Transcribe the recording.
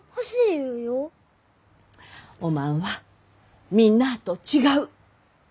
おまんはみんなあと違う。